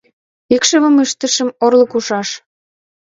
Икшывым ыштышым - орлык ужаш